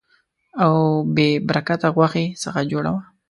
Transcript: او بې برکته غوښې څخه جوړه وه.